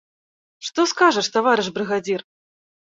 Што скажаш, таварыш брыгадзір?